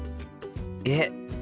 えっ？